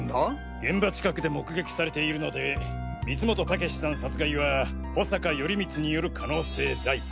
現場近くで目撃されているので光本猛志さん殺害は保坂頼光による可能性大。